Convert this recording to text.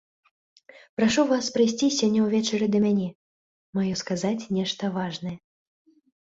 Прашу вас прыйсці сёння ўвечары да мяне, маю сказаць нешта важнае.